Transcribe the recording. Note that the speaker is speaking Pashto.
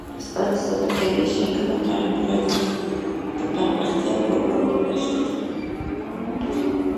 افغانستان کې د ځمکني شکل لپاره پوره دپرمختیا پروګرامونه شته دي.